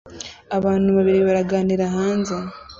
Abantu babiri baganira hanze